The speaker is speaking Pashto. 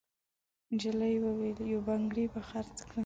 نجلۍ وویل: «یو بنګړی به خرڅ کړم.»